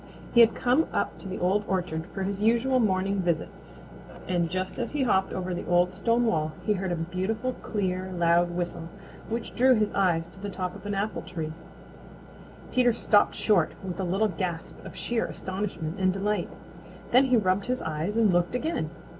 He had come up to the Old Orchard for his usual morning visit and just as he hopped over the old stone wall he heard a beautiful clear, loud whistle which drew his eyes to the top of an apple tree. Peter stopped short with a little gasp of sheer astonishment and delight. Then he rubbed his eyes and looked again.